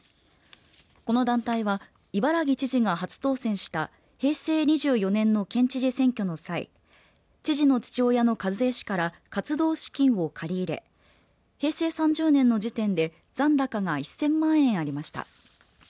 この団体は伊原木知事が初当選した平成２４年の県知事選挙の際知事の父親の一衛氏から活動資金を借り入れ平成３０年の時点で残高が１０００万円ありました。